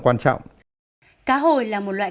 quan trọng cá hồi là một loại